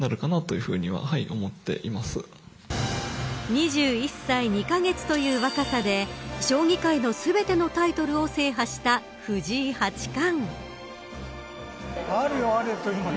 ２１歳２カ月という若さで将棋界の全てのタイトルを制覇した藤井八冠。